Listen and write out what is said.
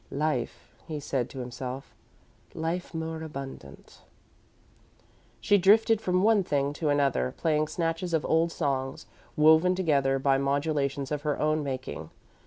"Life," he said to himself; "life more abundant." She drifted from one thing to another, playing snatches of old songs, woven together by modulations of her own making.